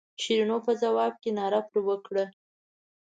شیرینو په ځواب کې ناره پر وکړه.